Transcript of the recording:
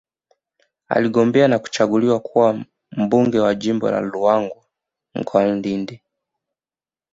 Aligombea na kuchaguliwa kuwa Mbunge wa Jimbo la Ruangwa mkoani Lindi